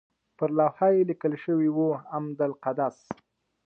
پر لوحه یې لیکل شوي وو اعمده القدس.